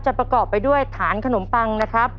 ประกอบไปด้วยฐานขนมปังนะครับ